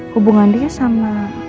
hubungan dia sama